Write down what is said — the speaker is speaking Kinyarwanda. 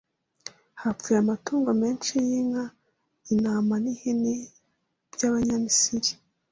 Hapfuye amatungo menshi y’inka intama n’ihene by’Abanyamisiri